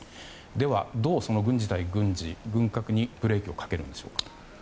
では、どう軍事対軍事、軍拡にブレーキをかけるんでしょうか。